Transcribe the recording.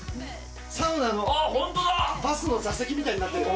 サウナのバスの座席みたいになってる。